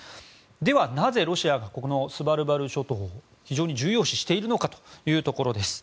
では、なぜロシアがこのスバルバル諸島を非常に重要視しているのかというところです。